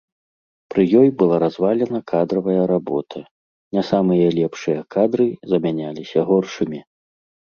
Пры ёй была развалена кадравая работа, не самыя лепшыя кадры замяняліся горшымі.